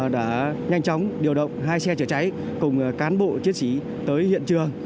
đã nhanh chóng điều động hai xe chữa cháy cùng cán bộ chiến sĩ tới hiện trường